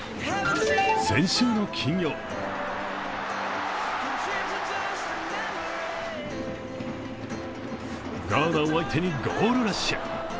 先週の金曜ガーナを相手にゴールラッシュ。